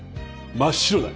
真っ白だ。